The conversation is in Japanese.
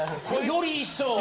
より一層。